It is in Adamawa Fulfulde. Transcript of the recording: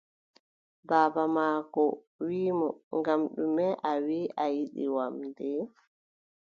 Baaba maako wii mo: ngam ɗume a wii a yiɗi wamnde?